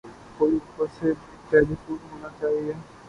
کوئی اوپر سے بھی ٹیلی فون ہونا چاہئے